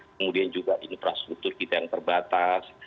kemudian juga infrastruktur kita yang terbatas